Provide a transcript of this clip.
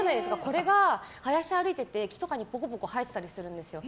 これが林を歩いてて木にぽこぽこ生えてたりするんです。